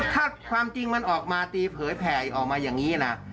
ถ้าความจริงมันออกมาตีเผยแผ่ออกมาอย่างนี้นะ